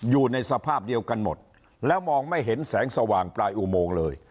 อยู่ในสภาพเดียวกันหมดแล้วมองไม่เห็นแสงสว่างปลายอุโมงเลย